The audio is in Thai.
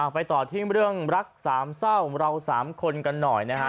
ไปต่อที่เรื่องรักสามเศร้าเราสามคนกันหน่อยนะฮะ